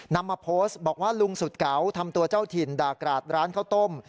นำมาโพสต์บอกว่าลุงสุดเก๋าทำตัวเจ้าถิ่นด่ากราดร้านข้าวต้ม